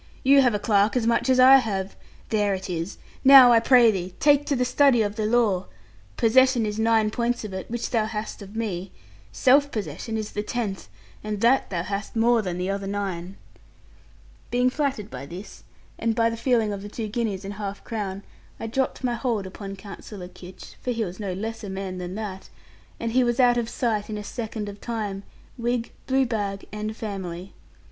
You have a clerk as much as I have. There it is. Now I pray thee, take to the study of the law. Possession is nine points of it, which thou hast of me. Self possession is the tenth, and that thou hast more than the other nine.' Being flattered by this, and by the feeling of the two guineas and half crown, I dropped my hold upon Counsellor Kitch (for he was no less a man than that), and he was out of sight in a second of time, wig, blue bag, and family.